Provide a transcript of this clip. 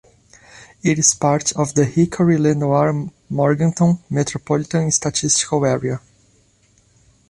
It is part of the Hickory-Lenoir-Morganton Metropolitan Statistical Area.